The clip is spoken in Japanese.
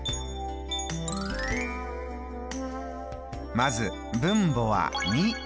まず分母は２。